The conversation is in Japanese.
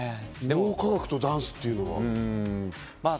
脳科学とダンスってのは。